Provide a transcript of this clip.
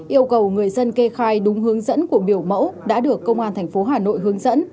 yêu cầu người dân kê khai đúng hướng dẫn của biểu mẫu đã được công an tp hà nội hướng dẫn